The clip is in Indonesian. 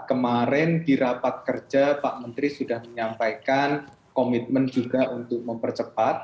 kemarin di rapat kerja pak menteri sudah menyampaikan komitmen juga untuk mempercepat